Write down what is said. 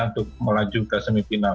untuk melaju ke semifinal